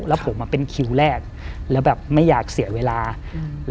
แล้วผมอ่ะเป็นคิวแรกแล้วแบบไม่อยากเสียเวลาอืม